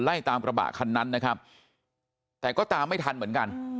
ตามกระบะคันนั้นนะครับแต่ก็ตามไม่ทันเหมือนกัน